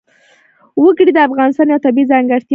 وګړي د افغانستان یوه طبیعي ځانګړتیا ده.